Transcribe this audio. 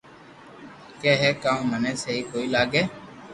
ڪي ھي ڪاو مني سھي ڪوئي لاگي